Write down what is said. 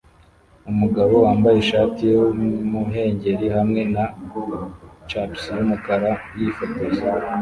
Umugabo wambaye ishati y'umuhengeri hamwe na chaps yumukara yifotoza